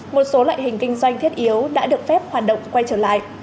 một số loại hình kinh doanh thiết yếu đã được phép hoạt động quay trở lại